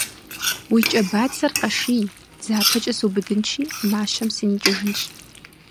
- Уи кӏэ бацэр къэший: дзапэкӏэ субыдынщи, мащэм сыникӏыжынщ.